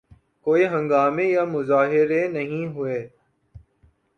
کوئی ہنگامے یا مظاہرے نہیں ہوئے۔